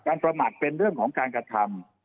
ประมาทเป็นเรื่องของการกระทำ